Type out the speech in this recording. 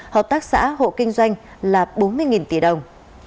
hợp tác xã hộ kinh doanh là bốn mươi tỷ đồng